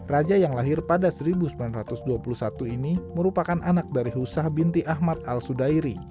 raja yang lahir pada seribu sembilan ratus dua puluh satu ini merupakan anak dari husah binti ahmad al sudairi